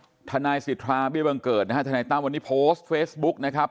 ทนายสิทธาเบี้ยบังเกิดนะฮะทนายตั้มวันนี้โพสต์เฟซบุ๊กนะครับ